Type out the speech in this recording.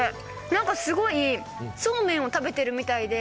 なにかすごい、そうめんを食べてるみたいで。